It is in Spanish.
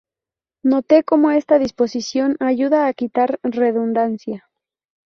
Note como esta disposición ayuda a quitar redundancia.